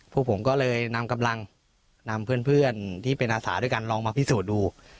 พวกผมก็เลยนำกำลังนำเพื่อนที่เป็นอาสาด้วยกันลองมาพิสูจน์ดู